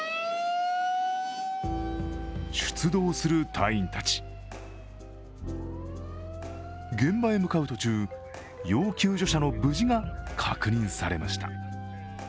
出動する隊員たち、現場へ向かう途中、要救助者の無事が確認されました。